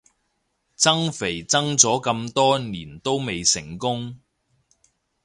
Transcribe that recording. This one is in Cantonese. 增肥增咗咁多年都未成功